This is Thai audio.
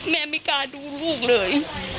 แม่ไม่กล้าดูลูกเลย